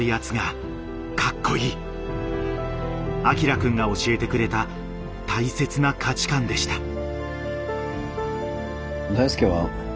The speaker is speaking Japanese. アキラくんが教えてくれた大切な価値観でした。